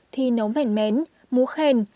thì nấu mẻn mén múa khen